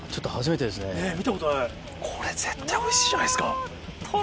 見たことないこれ絶対おいしいじゃないですか。